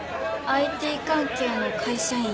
ＩＴ関係の会社員。